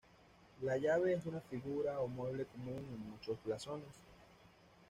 La llave es una figura o mueble común en muchos blasones.